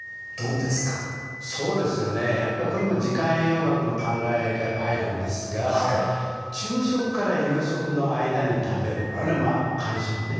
やっぱりこれも時間栄養学の考えがやっぱり入るんですが昼食から夕食の間に食べるこれ間食ね。